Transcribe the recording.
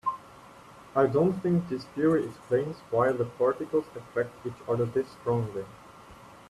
I don't think this theory explains why the particles attract each other this strongly.